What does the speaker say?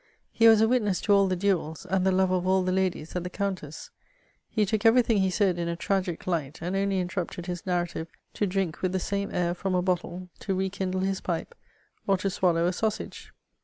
He was a witness to all the duels, and the lover of all the ladies at the counters. He took every thing he said in a tragic light, and only interrupted his narrative to drink with the same air from a bottle, to re kindle his pipe, or to swallow a sausag^.